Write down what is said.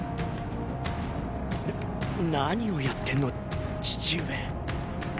な何をやってんの父上。